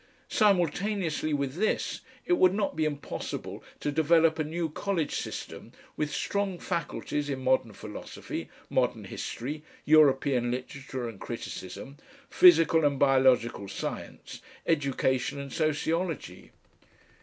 Simultaneously with this it would not be impossible to develop a new college system with strong faculties in modern philosophy, modern history, European literature and criticism, physical and biological science, education and sociology.